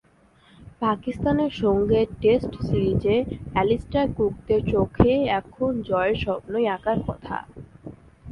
পাকিস্তানের সঙ্গে টেস্ট সিরিজে অ্যালিস্টার কুকদের চোখে এখন জয়ের স্বপ্নই আঁকার কথা।